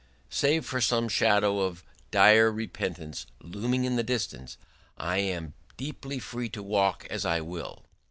Save for some shadow of dire repentance looming in the distance, I am deeply free to walk as I will.